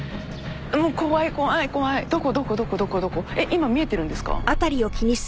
今見えてるんですか？